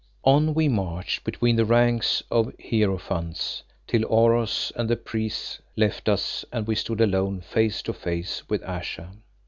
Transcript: On we marched between the ranks of hierophants, till Oros and the priests left us and we stood alone face to face with Ayesha.